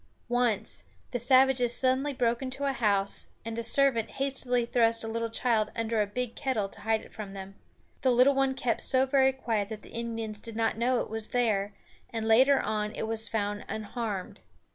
Once, the savages suddenly broke into a house, and a servant hastily thrust a little child under a big kettle to hide it from them. The little one kept so very quiet that the Indians did not know it was there, and later on it was found unharmed.